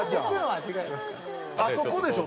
あそこでしょ？